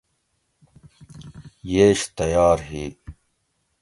ییش تیار ہی